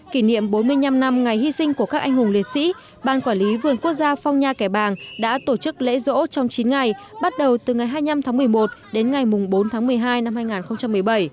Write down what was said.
kỷ niệm bốn mươi năm năm ngày hy sinh của các anh hùng liệt sĩ ban quản lý vườn quốc gia phong nha kẻ bàng đã tổ chức lễ rỗ trong chín ngày bắt đầu từ ngày hai mươi năm tháng một mươi một đến ngày bốn tháng một mươi hai năm hai nghìn một mươi bảy